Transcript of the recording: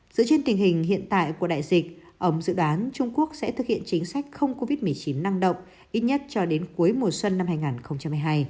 dựa trên tình hình hiện tại của đại dịch ông dự đoán trung quốc sẽ thực hiện chính sách không covid một mươi chín năng động ít nhất cho đến cuối mùa xuân năm hai nghìn hai mươi hai